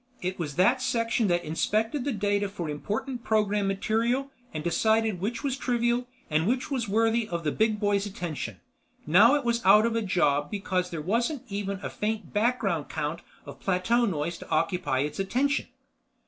It was that section that inspected the data for important program material and decided which was trivial and which was worthy of the Big Boy's attention. Now it was out of a job because there wasn't even a faint background count of plateau noise to occupy its attention.